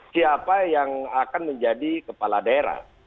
siapa yang akan menjadi kepala daerah